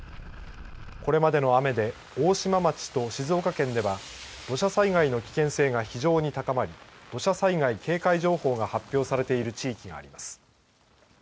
これまでの雨で大島町と静岡県では土砂災害の危険性が非常に高まり土砂災害警戒情報が発表されている地域があります。